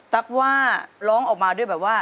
ตั๊กว่าร้องออกมาด้วยแบบว่า